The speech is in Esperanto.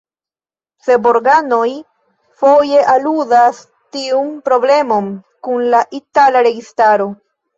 Seborganoj foje aludas tiun problemon kun la itala registaro.